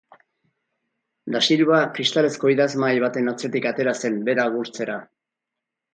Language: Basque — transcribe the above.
Dasilva kristalezko idazmahai baten atzetik atera zen bera agurtzera.